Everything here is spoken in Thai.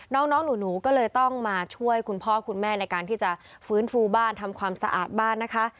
น้องหนูก็เลยต้องมาช่วยคุณพ่อคุณแม่ในการที่จะฟื้นฟูบ้านทำความสะอาดบ้านนะคะ